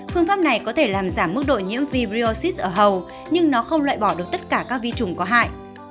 phương pháp này có thể làm giảm mức độ nhiễm virus ở hầu nhưng nó không loại bỏ được tất cả các vi trùng có hại